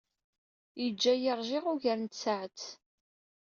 Yejja-iyi ṛjiɣ ugar n tsaɛet.